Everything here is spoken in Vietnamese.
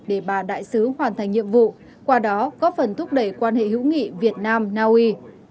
để bà đại sứ hoàn thành nhiệm vụ qua đó góp phần thúc đẩy quan hệ hữu nghị việt nam naui